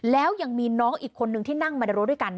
แล้วยังมีน้องอีกคนนึงที่นั่งมาในรถด้วยกัน